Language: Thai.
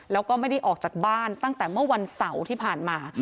แล้วก็ไม่ได้ออกจากบ้านตั้งแต่เมื่อวันเสาร์ที่ผ่านมา